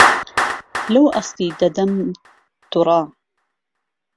لەو ئەستی دەدەم دوڕە